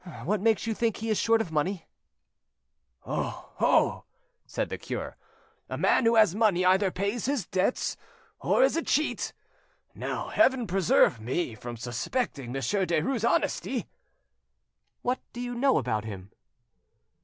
What makes you think he is short of money?" "Oh! oh!" said the cure, "a man who has money either pays his debts, or is a cheat. Now Heaven preserve me from suspecting Monsieur Derues' honesty!" "What do you know about him?"